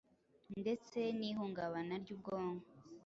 ndetse n’ihungabana ry’ubwonko.